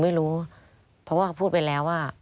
เพราะว่าเขาพูดไปแล้วว่า